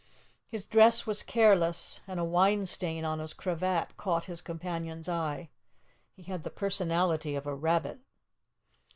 His dress was careless, and a wine stain on his cravat caught his companion's eye. He had the personality of a rabbit.